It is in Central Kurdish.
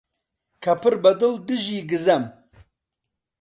کە پڕبەدڵ دژی گزەم؟!